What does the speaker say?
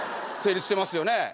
成立してますよね。